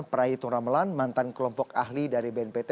prahito ramelan mantan kelompok ahli dari bnpt